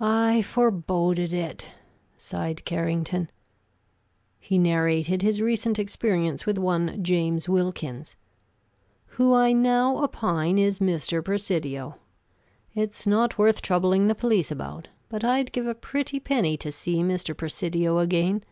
"I foreboded it," sighed Carrington. He narrated his recent experience with one James Wilkins, "who, I now opine, is Mr. Presidio. It's not worth troubling the police about, but I'd give a pretty penny to see Mr. Presidio again.